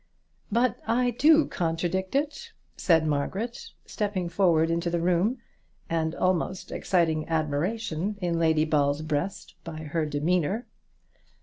"But I do contradict it," said Margaret, stepping forward into the room, and almost exciting admiration in Lady Ball's breast by her demeanour.